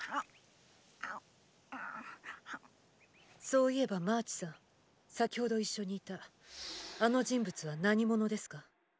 そういえばマーチさん先程一緒にいたあの人物は何者ですか？